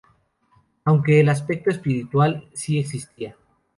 Aunque el aspecto espiritual sí existía.